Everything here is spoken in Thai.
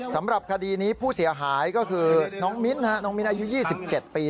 สำหรับคดีนี้ผู้เสียหายก็คือน้องมิ้นน้องมิ้นอายุ๒๗ปี